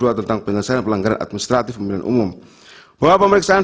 tahun dua ribu dua puluh dua tentang penyelesaian pelanggaran administratif pemilihan umum bahwa pemeriksaan